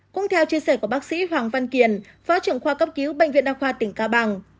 cũng theo chia sẻ của bác sĩ hoàng văn kiền phó trưởng khoa cấp cứu bệnh viện đa khoa tỉnh cao bằng